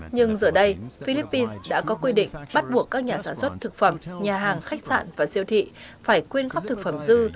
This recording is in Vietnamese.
nhưng giờ đây philippines đã có quy định bắt buộc các nhà sản xuất thực phẩm nhà hàng khách sạn và siêu thị phải quyên khắp thực phẩm dư